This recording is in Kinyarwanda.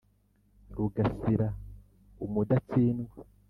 rugasira: umudatsindwa